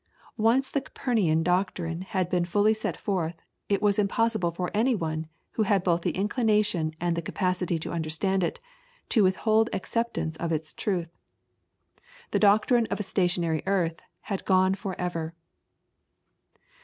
Once the Copernican doctrine had been fully set forth, it was impossible for anyone, who had both the inclination and the capacity to understand it, to withhold acceptance of its truth. The doctrine of a stationary earth had gone for ever.